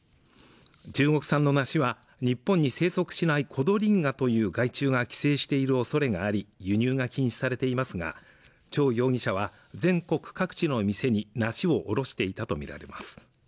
中国産の梨は日本に生息しないコドリンガという害虫が寄生しているおそれがあり輸入が禁止されていますが張容疑者は全国各地の店に梨を卸していたと見られます